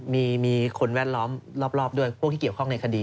มีคนแวดล้อมรอบด้วยพวกที่เกี่ยวข้องในคดี